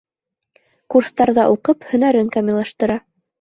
Курстарҙа уҡып, һөнәрен камиллаштыра.